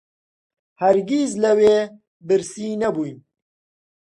هەرگیز لەوێ برسی نەبووین